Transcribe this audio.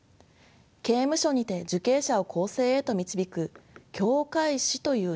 刑務所にて受刑者を更生へと導く「教誨師」という仕事です。